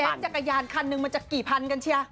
แม่พี่เจ๊จักรยานคันนึงมันจะกี่พันกันเชีย